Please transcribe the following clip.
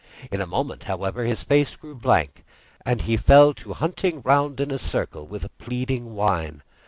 In a moment, however, his face grew blank, and he fell to hunting round in a circle with pleading whine.